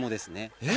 えっ？